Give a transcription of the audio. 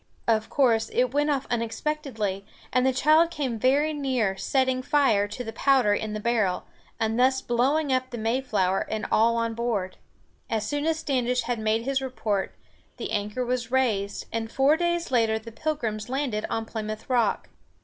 Of course it went off unexpectedly, and the child came very near setting fire to the powder in the barrel, and thus blowing up the Mayflower and all on board. As soon as Standish had made his report, the anchor was raised, and four days later the Pilgrims landed on Plymouth Rock.